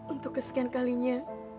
untuk kesekian kalinya